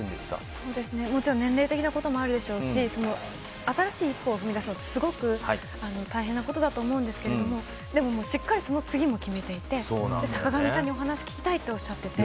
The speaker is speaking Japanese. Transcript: そうですね、もちろん年齢的なこともあるでしょうし、新しい一歩を踏み出すのって、すごく大変なことだと思うんですけれども、でももうしっかりその次も決めていて、坂上さんにお話聞きたいとおっしゃっていて。